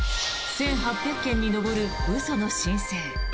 １８００件に上る嘘の申請。